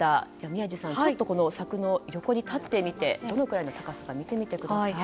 宮司さん、柵の横に立ってみてどのくらいの高さか見てみてください。